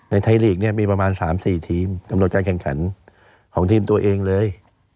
ไทยลีกเนี่ยมีประมาณ๓๔ทีมกำหนดการแข่งขันของทีมตัวเองเลย